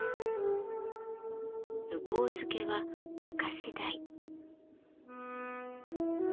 向付は明石鯛。